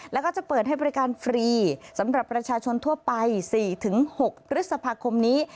แล้วก็จะเปิดให้บริการฟรีสำหรับประชาชนทั่วไป๔๖พฤษภาคมนี้